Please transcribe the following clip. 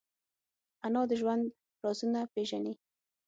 انا د ژوند رازونه پېژني